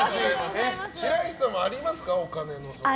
白石さんもありますか？